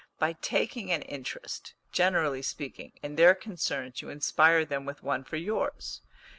By taking an interest, generally speaking, in their concerns you inspire them with one for yours.